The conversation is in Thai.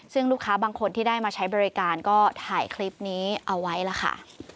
ซึ่งลูกค้าบางคนที่ได้มาใช้บริการก็ถ่ายคลิปนี้เอาไว้ล่ะค่ะ